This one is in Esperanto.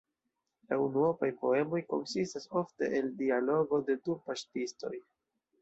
La unuopaj poemoj konsistas ofte el dialogo de du paŝtistoj.